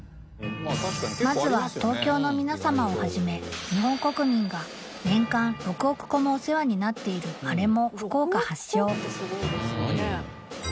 まずは東京の皆様をはじめ日本国民が年間６億個もお世話になっているアレも福岡発祥